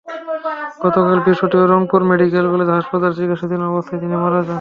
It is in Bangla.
গতকাল বৃহস্পতিবার রংপুর মেডিকেল কলেজ হাসপাতালে চিকিৎসাধীন অবস্থায় তিনি মারা যান।